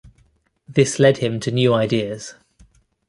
This led him to new ideas.